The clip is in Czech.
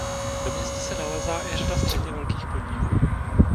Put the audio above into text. Ve městě se nalézá i řada středně velkých podniků.